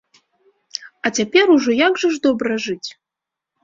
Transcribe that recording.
А цяпер ужо як жа ж добра жыць!